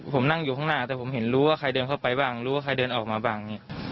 ผมนั่งอยู่ข้างหน้าแต่ผมเห็นรู้ว่าใครเดินเข้าไปบ้างรู้ว่าใครเดินออกมาบ้าง